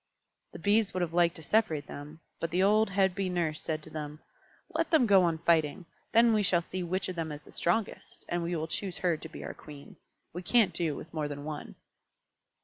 The Bees would have liked to separate them, but the old head Bee Nurse said to them, "Let them go on fighting; then we shall see which of them is the strongest, and we will choose her to be our Queen. We can't do with more than one."